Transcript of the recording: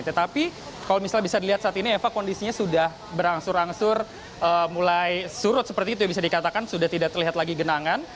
tetapi kalau misalnya bisa dilihat saat ini eva kondisinya sudah berangsur angsur mulai surut seperti itu ya bisa dikatakan sudah tidak terlihat lagi genangan